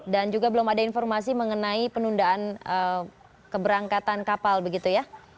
dan juga belum ada informasi mengenai penundaan keberangkatan kapal begitu ya